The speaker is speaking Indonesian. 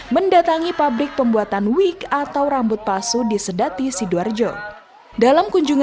mendatangi pabrik pembuatan wig atau rambut palsu di sedang